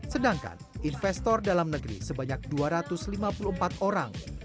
sedangkan investor dalam negeri sebanyak dua ratus lima puluh empat orang